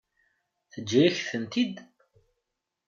Teǧǧa-yak-tent-id?